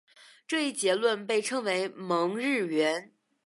这一结论被称为蒙日圆。